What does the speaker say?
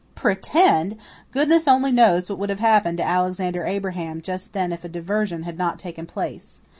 Pretend! Goodness only knows what would have happened to Alexander Abraham just then if a diversion had not taken place.